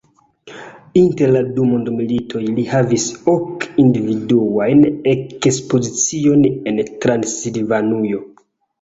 Inter la du mondmilitoj li havis ok individuajn ekspoziciojn en Transilvanujo.